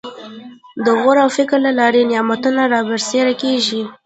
د غور او فکر له لارې نعمتونه رابرسېره کېږي.